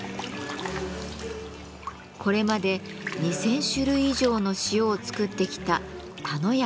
これまで２，０００種類以上の塩を作ってきた田野屋